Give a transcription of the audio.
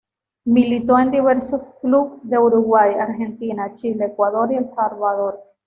Militó en diversos clubes de Uruguay, Argentina, Chile, Ecuador y El Salvador.